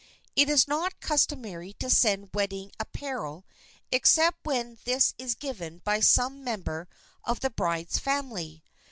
It is not customary to send wearing apparel, except when this is given by some member of the bride's family.